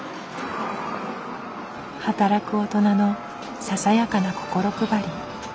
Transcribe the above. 働く大人のささやかな心配り。